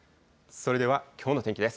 それではきょうの天気です。